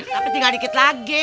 tapi tinggal dikit lagi